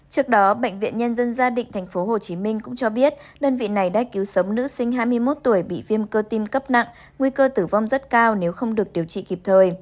trước đó bệnh viện nhân dân gia định tp hcm cũng cho biết đơn vị này đã cứu sống nữ sinh hai mươi một tuổi bị viêm cơ tim cấp nặng nguy cơ tử vong rất cao nếu không được điều trị kịp thời